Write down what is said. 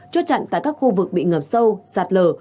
chốt chặn tại các khu vực bị ngập sâu sạt lở